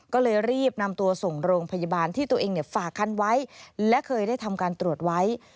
ก็เลยรีบนำตัวส่งโรงพยาบาลที่ตัวเองฝากคันไว้และเคยได้ทำการตรวจไว้